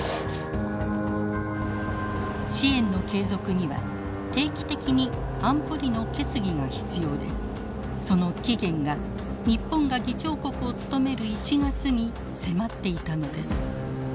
支援の継続には定期的に安保理の決議が必要でその期限が日本が議長国を務める１月に迫っていたのです。